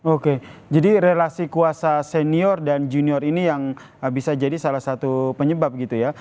oke jadi relasi kuasa senior dan junior ini yang bisa jadi salah satu penyebab gitu ya